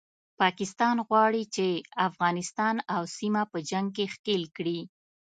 پاکستان غواړي چې افغانستان او سیمه په جنګ کې ښکیل کړي